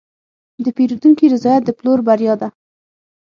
د پیرودونکي رضایت د پلور بریا ده.